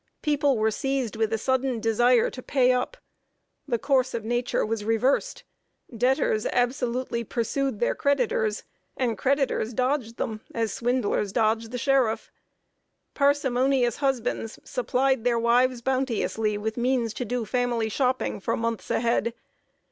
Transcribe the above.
People were seized with a sudden desire to pay up. The course of nature was reversed; debtors absolutely pursued their creditors, and creditors dodged them as swindlers dodge the sheriff. Parsimonious husbands supplied their wives bounteously with means to do family shopping for months ahead.